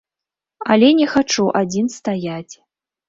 Але не хачу адзін стаяць.